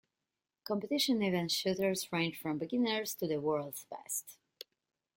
Competition event shooters range from beginners to the world's best.